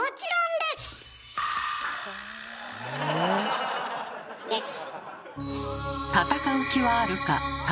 です。